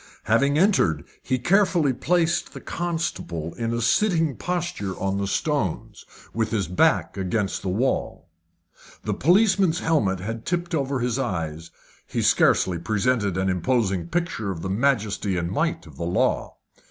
Having entered, he carefully placed the constable in a sitting posture on the stones, with his back against the wall. The policeman's helmet had tipped over his eyes he scarcely presented an imposing picture of the majesty and might of the law.